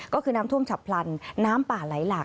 ก็คือน้ำท่วมฉับพลันน้ำป่าไหลหลาก